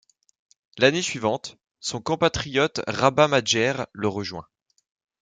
L'année suivante, son compatriote Rabah Madjer le rejoint.